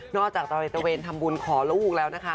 นอกจากตอนเตอร์เวนทำบุญขอลูกแล้วนะคะ